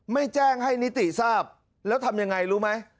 ไม่แจ้งให้นิติทราบแล้วทำยังไงรู้ไหม